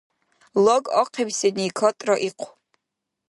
Лаг ахъибсини катӀра ихъу.